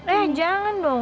eh jangan dong